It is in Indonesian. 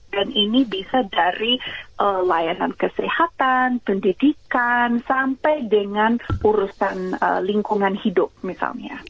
dan ini bisa dari layanan kesehatan pendidikan sampai dengan urusan lingkungan hidup misalnya